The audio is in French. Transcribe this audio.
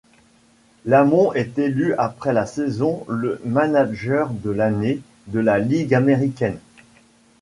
Lamont est élu après la saison le manager de l'année de la Ligue américaine.